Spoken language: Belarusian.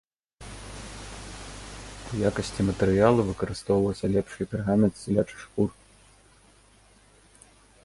У якасці матэрыялу выкарыстоўваўся лепшы пергамент з цялячых шкур.